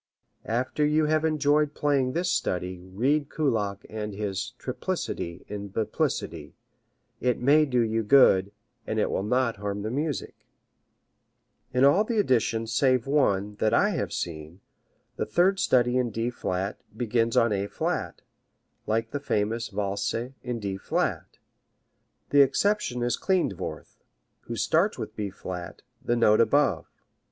After you have enjoyed playing this study read Kullak and his "triplicity in biplicity." It may do you good, and it will not harm the music. In all the editions save one that I have seen the third study in D flat begins on A flat, like the famous Valse in D flat. The exception is Klindworth, who starts with B flat, the note above.